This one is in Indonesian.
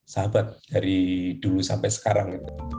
sahabat dari dulu sampai sekarang